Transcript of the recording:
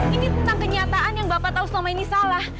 ini tentang kenyataan yang bapak tahu selama ini salah